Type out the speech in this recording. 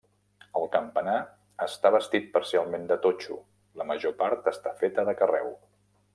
El campanar està bastit parcialment de totxo, la major part està feta de carreu.